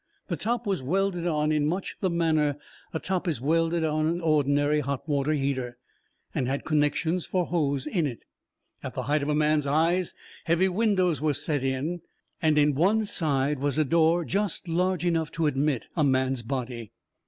The top was welded on in much the manner a top is welded on an ordinary hot water heater, and had connections for hose in it. At the height of a man's eyes heavy windows were set in, and in one side was a door just large enough to admit a man's body.